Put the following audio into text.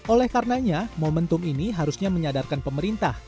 oleh karenanya momentum ini harusnya menyadarkan pemerintah